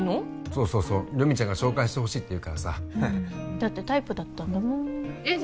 そうそうそう留美ちゃんが紹介してほしいって言うからさだってタイプだったんだもーんえっ